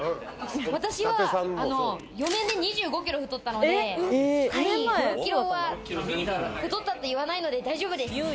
私は４年で２５キロ太ったので、５６キロは太ったって言わないので大丈夫です。